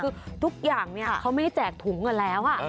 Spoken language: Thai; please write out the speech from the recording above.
คือทุกอย่างเขาไม่ได้แจกถุงกันแล้ว